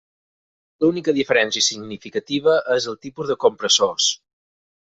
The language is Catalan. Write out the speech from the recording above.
L'única diferència significativa és el tipus de compressors.